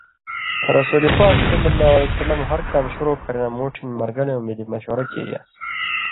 رسول پاک ﷺ ہر کام شروع کرَیں نہ موٹھِن مرگلیوں ملی مشورہ کیریان٘س۔